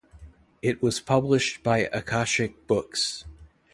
It was published by Akashic Books.